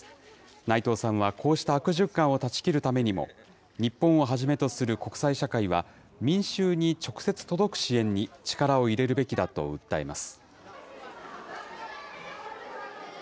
内藤さんはこうした悪循環を断ち切るためにも、日本をはじめとする国際社会は、民衆に直接届く支援に力を入れるべきだと訴えます。